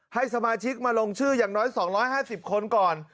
ให้สมาชิกมาลงชื่ออย่างน้อย๒๕๐คนก่อน